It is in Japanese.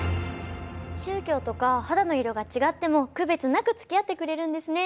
宗教とか肌の色が違っても区別なくつきあってくれるんですね。